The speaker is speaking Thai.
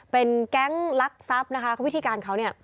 เป็นแก๊งลักษัพนะคะวิธีการเขา